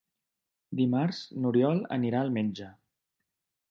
Dimarts n'Oriol anirà al metge.